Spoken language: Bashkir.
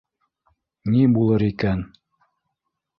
Ни булыр икән?